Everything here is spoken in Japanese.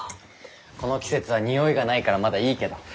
この季節はにおいがないからまだいいけど。